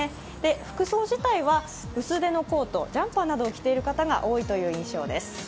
服装自体は薄手のコート、ジャンパーなどを着ている方が多いという印象です。